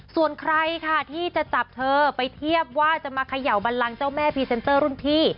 ส่วนใครค่ะที่จะจับเธอไปเทียบว่าจะมาเขย่าบันลังเจ้าแม่พรีเซนเตอร์รุ่นพี่